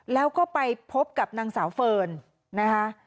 แล้วก็ไปพบกับนางสาวเฟิร์นนะคะ